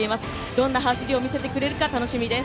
どんな走りを見せてくれるか、楽しみです。